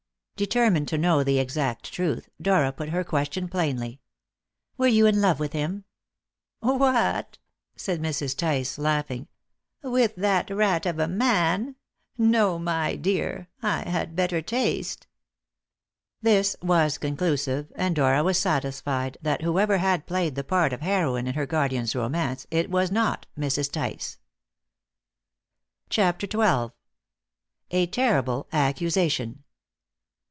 Determined to know the exact truth, Dora put her question plainly: "Were you in love with him?" "What!" said Mrs. Tice, laughing, "with that rat of a man? No, my dear: I had better taste." This was conclusive, and Dora was satisfied that, whoever had played the part of heroine in her guardian's romance, it was not Mrs. Tice. CHAPTER XII. A TERRIBLE ACCUSATION.